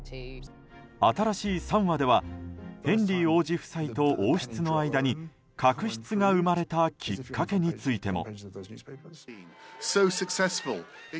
新しい３話ではヘンリー王子夫妻と王室の間に確執が生まれたきっかけについても。